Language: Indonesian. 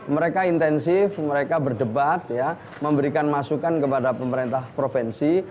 mereka intensif mereka berdebat ya memberikan masukan kepada pemerintah provinsi